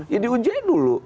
jadi ujian dulu